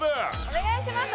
お願いします！